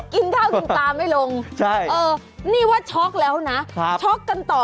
กินข้าวกินปลาไม่ลงนี่ว่าช็อกแล้วนะช็อกกันต่อ